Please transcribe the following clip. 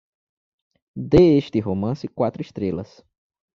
Dê este romance quatro estrelas